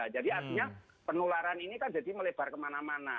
jadi artinya penularan ini kan jadi melebar kemana mana